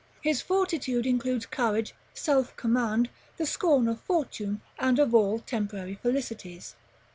His Fortitude includes courage, self command, the scorn of fortune and of all temporary felicities.